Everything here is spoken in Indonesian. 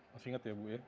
masih inget ya bu ya